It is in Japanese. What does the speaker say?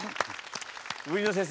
売野先生